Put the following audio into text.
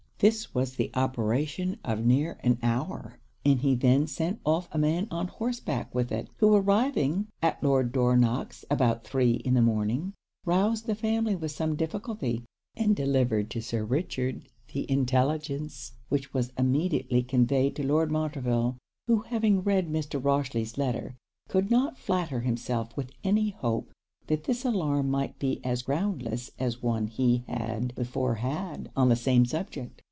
This was the operation of near an hour; and he then sent off a man on horseback with it, who arriving at Lord Dornock's about three in the morning, roused the family with some difficulty, and delivered to Sir Richard the intelligence, which was immediately conveyed to Lord Montreville; who having read Mr. Rochely's letter, could not flatter himself with any hope that this alarm might be as groundless as one he had before had on the same subject.